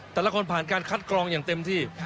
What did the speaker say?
แต่ละคนผ่านการคัดกรองอย่างเต็มที่